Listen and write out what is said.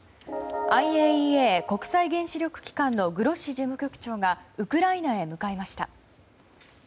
ＩＡＥＡ・国際原子力機関のグロッシ事務局長がウクライナへ向かいました。